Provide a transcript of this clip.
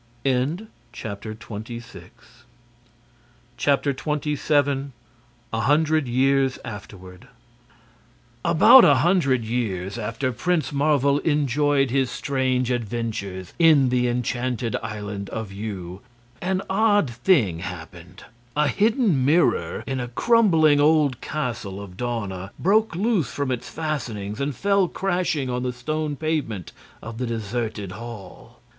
27. A Hundred Years Afterward About a hundred years after Prince Marvel enjoyed his strange adventures in the Enchanted Island of Yew an odd thing happened. A hidden mirror in a crumbling old castle of Dawna broke loose from its fastenings and fell crashing on the stone pavement of the deserted hall.